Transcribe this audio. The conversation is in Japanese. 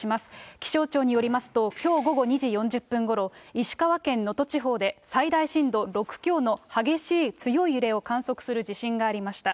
気象庁によりますと、きょう午後２時４０分ごろ、石川県能登地方で最大震度６強の激しい強い揺れを観測する地震がありました。